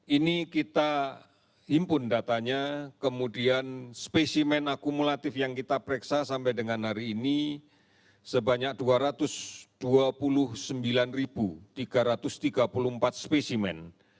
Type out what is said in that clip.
ini kita himpun datanya kemudian spesimen akumulatif yang kita pereksa sampai dengan hari ini sebanyak dua ratus dua puluh sembilan tiga ratus tiga puluh empat spesimen